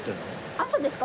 朝ですか？